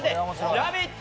ラヴィット！